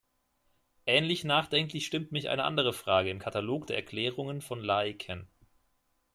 Ähnlich nachdenklich stimmt mich eine andere Frage im Katalog der Erklärungen von Laeken.